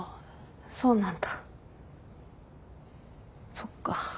そっか。